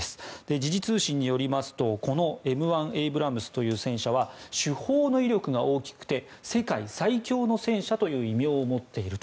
時事通信によりますとＭ１エイブラムスという戦車は主砲の威力が大きくて世界最強の戦車という異名を持っていると。